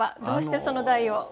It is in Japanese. どうしてその題を？